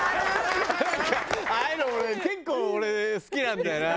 ああいうの俺結構俺好きなんだよな。